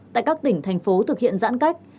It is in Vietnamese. tại các tỉnh thành phố thực hiện giãn cách